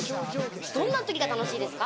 どんなときが楽しいですか？